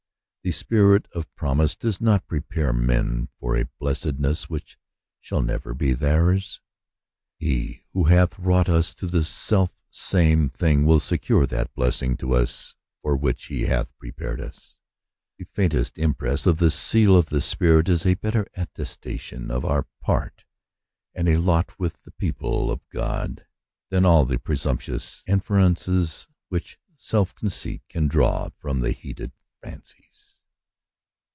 The Spirit of promise does not prepare men for a blessedness which shall never be theirs. He who hath wrought us to the self same thing will secure that blessing to us for which he hath prepared us. The faintest impress of the seal of the Spirit is a better attesta tion of our part and lot with the people of God than all the presumptuous inferences which self conceit can draw from its heated fancies.